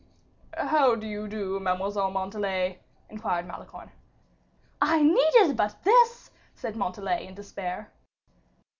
"How do you do, Mademoiselle Montalais?" inquired Malicorne. "I needed but this!" said Montalais, in despair.